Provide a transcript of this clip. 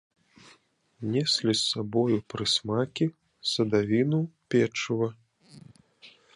Неслі з сабою прысмакі, садавіну, печыва.